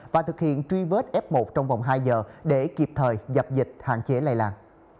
và thực hiện truy vết f một trong vòng hai giờ để kịp thời dập dịch hạn chế lây lan